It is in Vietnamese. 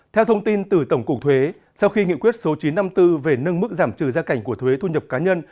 theo thông tin từ tổng cục thuế sau khi nghị quyết số chín trăm năm mươi bốn về nâng mức giảm trừ gia cảnh của thuế thu nhập cá nhân